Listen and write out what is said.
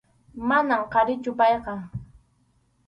Manam qharichu payqa.